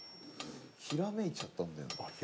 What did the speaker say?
ひらめいちゃったんだよな。